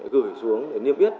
gửi xuống để niêm biết